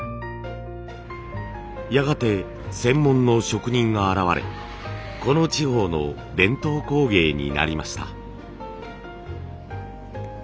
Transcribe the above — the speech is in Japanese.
やがて専門の職人が現れこの地方の伝統工芸になりました。